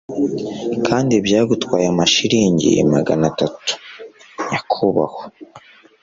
kandi byagutwaye amashiringi magana atatu, nyakubahwa